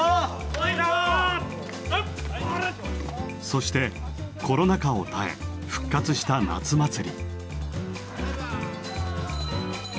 そしてコロナ禍を耐え復活した夏祭り。